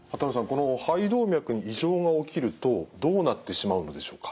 この肺動脈に異常が起きるとどうなってしまうのでしょうか。